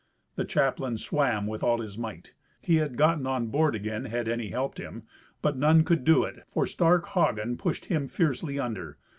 The chaplain swam with all his might. He had gotten on board again had any helped him. But none could do it, for stark Hagen pushed him fiercely under.